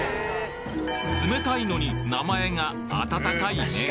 冷たいのに名前が温かい麺？